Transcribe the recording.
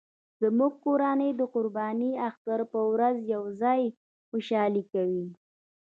زموږ کورنۍ د قرباني اختر په ورځ یو ځای خوشحالي کوي